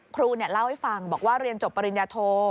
ครูเล่าให้ฟังบอกว่าเรียนจบปริญญาโท